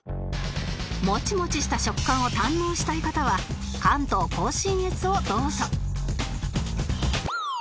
もちもちした食感を堪能したい方は関東甲信越をどうぞ